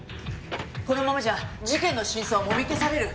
このままじゃ事件の真相はもみ消される。